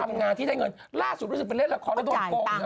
งานที่ได้เงินล่าสุดรู้สึกไปเล่นละครแล้วโดนโกง